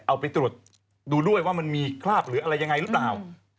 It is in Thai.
เอาไปตรวจดูด้วยว่ามันมีคราบหรืออะไรยังไงหรือเปล่า